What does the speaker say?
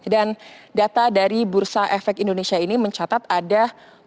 dan data dari bursa efek indonesia ini mencatat ada tujuh enam